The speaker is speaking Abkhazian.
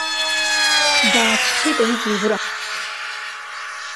Дааччеит аригьы игәы раҳаҭӡа.